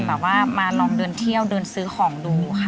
แบบว่ามาลองเดินเที่ยวเดินซื้อของดูค่ะ